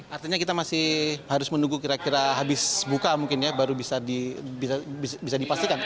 artinya kita masih harus menunggu kira kira habis buka mungkin ya baru bisa dipastikan